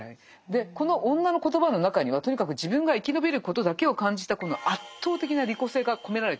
でこの女の言葉の中にはとにかく自分が生き延びることだけを感じたこの圧倒的な利己性が込められてるわけですよね。